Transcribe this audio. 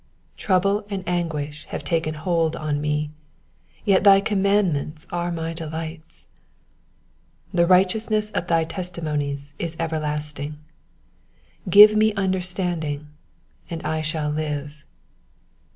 143 Trouble and anguish have taken hold on me : yet thy commandments are my delights. 144 The righteousness of thy testimonies is everlasting : give me understanding, and I shall live.